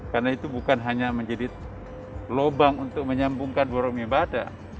karena itu bukan hanya menjadi lobang untuk menyambungkan borong ibadah